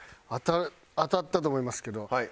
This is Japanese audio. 当たったと思いますけど。